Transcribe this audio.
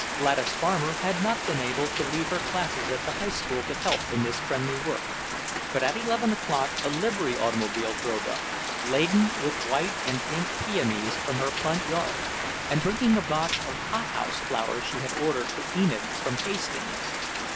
Gladys Farmer had not been able to leave her classes at the High School to help in this friendly work, but at eleven o'clock a livery automobile drove up, laden with white and pink peonies from her front yard, and bringing a box of hothouse flowers she had ordered for Enid from Hastings.